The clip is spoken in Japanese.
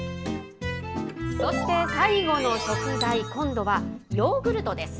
そして最後の食材、今度はヨーグルトです。